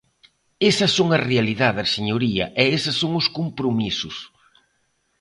Esas son as realidades, señoría, e eses son os compromisos.